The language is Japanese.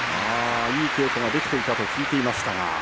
いい稽古ができていたと聞いていましたが。